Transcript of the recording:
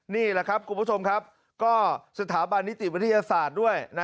นี่แหละครับคุณผู้ชมครับก็สถาบันนิติวิทยาศาสตร์ด้วย